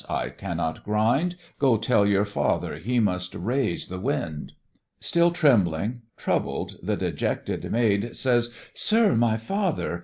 I cannot grind; Go tell your father he must raise the wind:" Still trembling, troubled, the dejected maid Says, "Sir! my father!"